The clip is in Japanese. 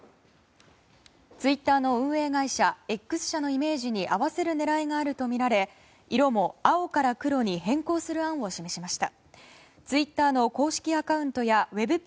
ツイッターの運営会社Ｘ社のイメージに合わせる狙いがあるとみられ色も、青から黒に変更する案を示しました。